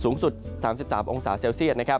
สูงสุด๓๓องศาเซียส